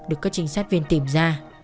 được các trinh sát viên tìm ra